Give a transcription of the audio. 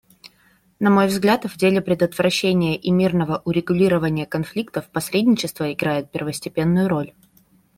На мой взгляд, в деле предотвращения и мирного урегулирования конфликтов посредничество играет первостепенную роль.